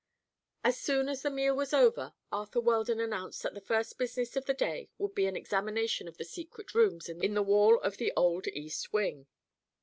As soon as the meal was over Arthur Weldon announced that the first business of the day would be an examination of the secret rooms in the wall of the old East Wing.